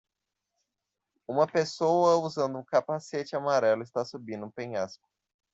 Uma pessoa usando um capacete amarelo está subindo um penhasco